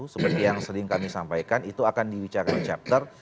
seperti yang sering kami sampaikan itu akan dibicarakan di chapter